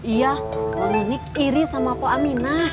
iya pak nunik iri sama pak aminah